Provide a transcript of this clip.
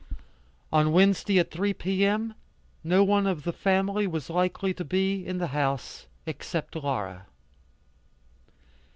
On Wednesday at 3 P. M, no one of the family was likely to be in the house except Laura.